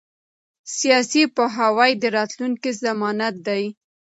سیاسي پوهاوی د راتلونکي ضمانت دی